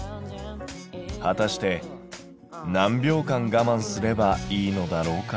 はたして何秒間がまんすればいいのだろうか。